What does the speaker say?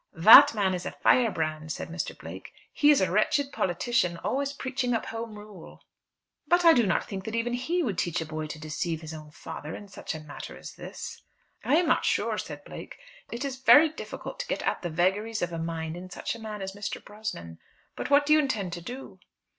"That man is a firebrand," said Mr. Blake. "He is a wretched politician, always preaching up Home Rule." "But I do not think that even he would teach a boy to deceive his own father in such a matter as this." "I am not sure," said Blake. "It is very difficult to get at the vagaries of mind in such a man as Mr. Brosnan. But what do you intend to do?"